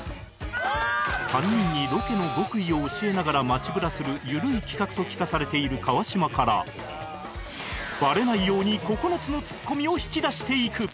３人にロケの極意を教えながら街ブラする緩い企画と聞かされている川島からバレないように９つのツッコミを引き出していく